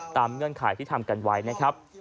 เงื่อนไขที่ทำกันไว้นะครับ